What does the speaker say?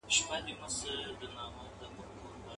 سترګي به ړندې د جهالت د جادوګرو کړي.